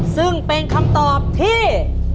ซึ่งเป็นคำตอบที่